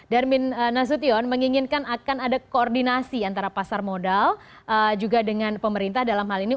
darmin nasution menginginkan akan ada koordinasi antara pasar modal juga dengan pemerintah dalam hal ini